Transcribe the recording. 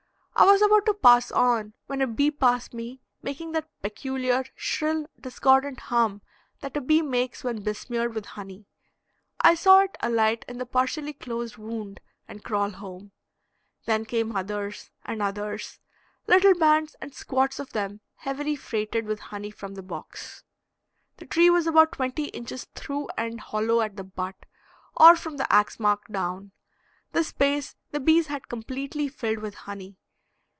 I was about to pass on when a bee passed me making that peculiar shrill, discordant hum that a bee makes when besmeared with honey. I saw it alight in the partially closed wound and crawl home; then came others and others, little bands and squads of them heavily freighted with honey from the box. The tree was about twenty inches through and hollow at the butt, or from the ax mark down. This space the bees had completely filled with honey.